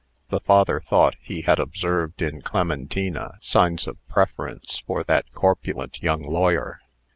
The father thought he had observed in Clementina signs of preference for that corpulent young lawyer.